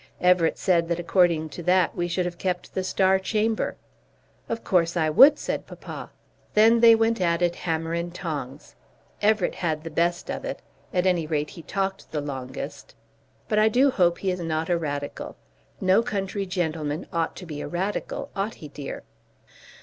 Everett said that according to that we should have kept the Star Chamber. "Of course I would," said papa. Then they went at it, hammer and tongs. Everett had the best of it. At any rate he talked the longest. But I do hope he is not a Radical. No country gentleman ought to be a Radical. Ought he, dear?